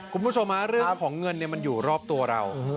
คุณผู้ชมเรื่องของเงินมันอยู่รอบตัวเรา